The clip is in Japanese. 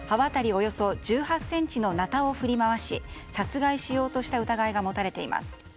およそ１８ｃｍのなたを振り回し殺害しようとした疑いが持たれています。